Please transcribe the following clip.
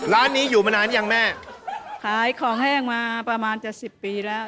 ร้านนี้อยู่มานานยังแม่ขายของแห้งมาประมาณจะสิบปีแล้ว